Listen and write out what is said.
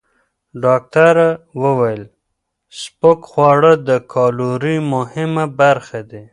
ډاکټره وویل، سپک خواړه د کالورۍ مهمه برخه دي.